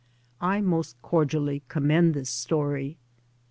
I most cordially com mend this story.